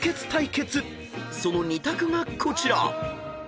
［その２択がこちら］